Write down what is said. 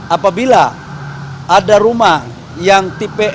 apabila ada rumah yang tipe lebih dari empat puluh lima